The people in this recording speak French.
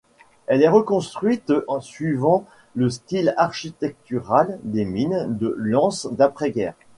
Elle est reconstruite suivant le style architectural des mines de Lens d'après-guerre.